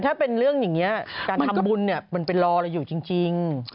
ถ้าเป็นเรื่องอย่างนี้การทำบุญมันไปรอเราอยู่จริง